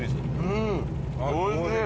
おいしい！